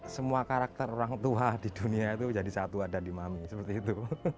semua karakter orang tua di dunia itu jadi satu ada di mami seperti itu